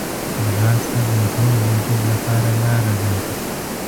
ځغاسته د روغ وجود لپاره لاره ده